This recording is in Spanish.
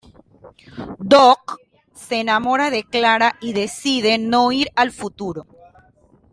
Doc se enamora de Clara y decide no ir al futuro.